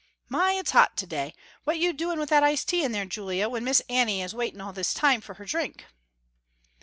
My, it's hot to day, what you doin' with that ice tea in there Julia, when Miss Annie is waiting all this time for her drink?"